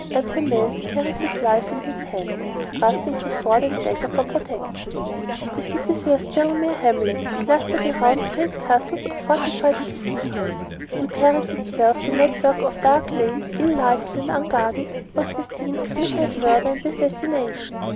Every man carried his life in his hand, trusting to sword and dagger for protection. The cities were still mere hamlets clustered around great castles or fortified cathedrals. In Paris itself the network of dark lanes, ill lighted and unguarded, was the scene of midnight murder and assassination.